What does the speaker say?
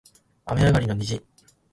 雨上がりの虹